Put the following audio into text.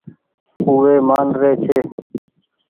اُو وي مآن ري ڇي۔